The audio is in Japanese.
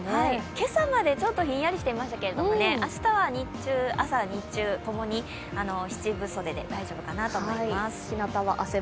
今朝までちょっとひんやりしてましたけど、明日は朝、日中ともに七分袖で大丈夫かなと思います。